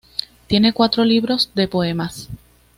Tiene cuatro libros de poemas.